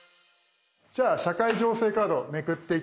じゃあ社会情勢カードをめくっていきます。